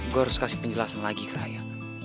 gue harus kasih penjelasan lagi ke rakyat